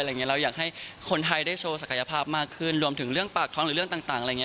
เราอยากให้คนไทยได้โชว์ศักยภาพมากขึ้นรวมถึงเรื่องปากท้องหรือเรื่องต่างอะไรอย่างนี้